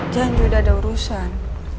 jangan udah ada urusan